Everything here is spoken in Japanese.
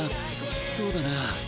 そうだな。